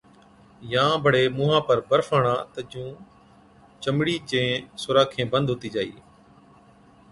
يان بڙي مُونهان پر برف هڻا تہ جُون چمڙِي چين سوراخين بند هُتِي جائِي۔